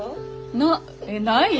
なえないよ。